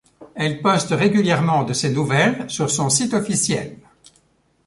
Elle poste régulièrement de ses nouvelles sur son site officiel.